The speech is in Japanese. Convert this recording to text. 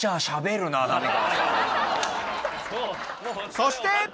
そして。